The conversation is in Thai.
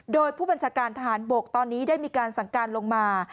โดยผู้บัญชาการทหารบกตอนนี้ได้มีการสั่งการลงมา